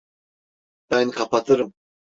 Ben kapatırım.